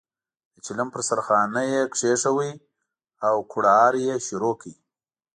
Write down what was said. د چلم په سر خانۍ یې کېښوده او کوړاړی یې شروع کړ.